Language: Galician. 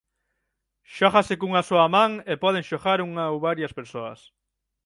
Xógase cunha soa man e poden xogar unha ou varias persoas.